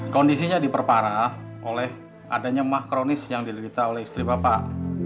kondisinya diperparah oleh adanya mah kronis yang diderita oleh istri bapak